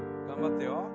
頑張ってよ